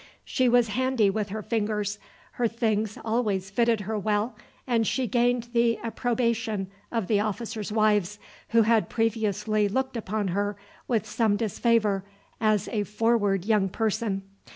She was handy with her fingers, her things always fitted her well, and she gained the approbation of the officers' wives, who had previously looked upon her with some disfavour as a forward young person.